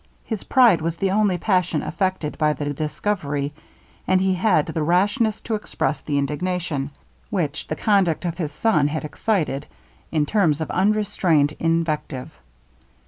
His pride was the only passion affected by the discovery; and he had the rashness to express the indignation, which the conduct of his son had excited, in terms of unrestrained invective.